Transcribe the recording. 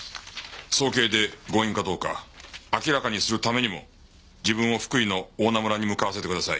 早計で強引かどうか明らかにするためにも自分を福井の大菜村に向かわせてください。